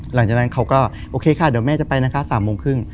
หลังจากนั้นเขาก็โอเคค่ะเดี๋ยวแม่จะไปนะครับ๑๐๓๐จนกว่า๑๙๕๓